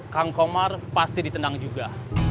kang komar pasti ditendang juga